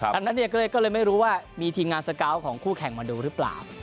ดังนั้นเนี่ยก็เลยไม่รู้ว่ามีทีมงานสกาวของคู่แข่งมาดูหรือเปล่า